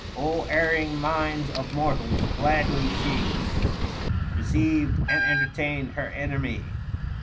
erring minds of mortals ! gladly she 845 Keceived and entertained her enemy.